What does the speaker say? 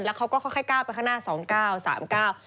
แล้วเขาก็ค่อยก้าวไปข้างหน้า๒๓ก้าว